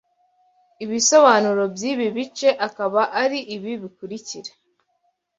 Ibisobanuro by’ibi bice akaba ari ibi bikurikira